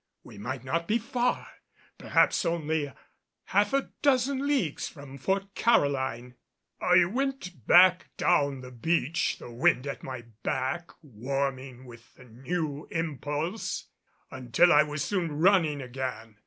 We might not be far perhaps only half a dozen leagues from Fort Caroline. I went back down the beach the wind at my back, warming with the new impulse until I was soon running again.